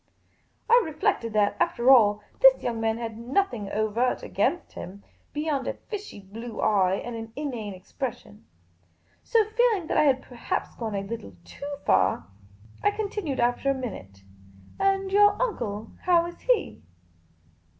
I reflected that, after all, this young man had nothijig overt against him, beyond a fishy blue eye and an inane ex pression ; so, feeling that I had perhaps gone a little too far, I continued, after a minute, " And your uncle, how is he?"